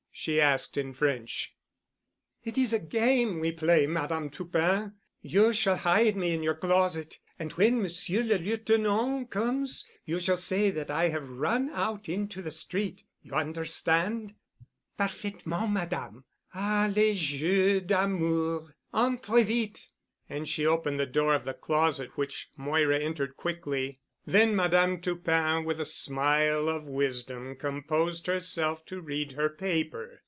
she asked in French. "It is a game we play, Madame Toupin. You shall hide me in your closet. And when Monsieur le Lieutenant comes you shall say that I have run out into the street. You understand?" "Parfaitement, Madame. Ah, les jeux d'amour. Entrez vite." And she opened the door of the closet which Moira entered quickly. Then Madame Toupin with a smile of wisdom composed herself to read her paper.